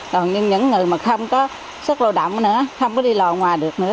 còn những người mà không có sức lô đậm nữa không có đi lò ngoài được nữa